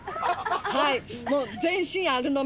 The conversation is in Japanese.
はい。